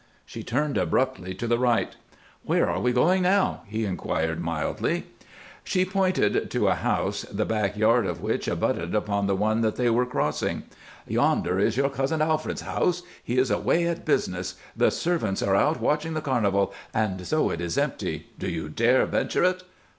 She turned abruptly to the right. "Where are we going now?" he inquired, mildly. She pointed to a house the back yard of which abutted upon the one that they were crossing. "Yonder is your cousin Alfred's house. He is away at business, the servants are out watching the carnival, and so it is empty. Do you dare venture it?"